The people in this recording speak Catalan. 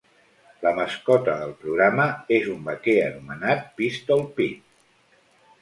La mascota del programa és un vaquer anomenat Pistol Pete.